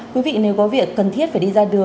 quý vị nếu có việc cần thiết phải đi ra đường